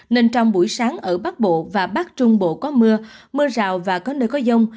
nên trong buổi sáng ở bắc bộ và bắc trung bộ có mưa mưa rào và có nơi có dông